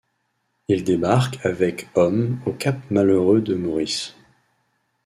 Ils débarquent avec hommes au cap Malheureux de Maurice.